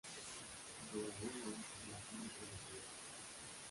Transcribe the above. Doraemon y la fábrica de juguetes